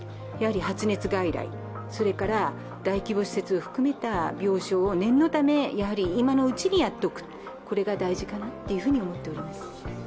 発熱外来、それから大規模施設を含めた病床を念のため、今のうちにやっておく、これが大事かなと思っています。